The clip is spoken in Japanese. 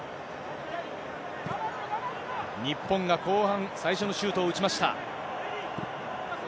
日本が後半、最初のシュートを打ちました。